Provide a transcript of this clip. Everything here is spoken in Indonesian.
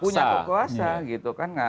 punya kekuasa gitu kan